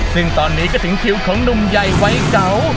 ซึ่งตอนนี้ก็ถึงคิวของหนุ่มใหญ่วัยเก่า